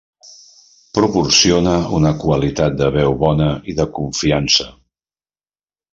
Proporciona una qualitat de veu bona i de confiança.